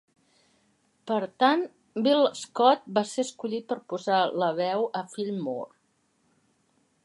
Per tant, Bill Scott va ser escollit per posar la veu a Fillmore.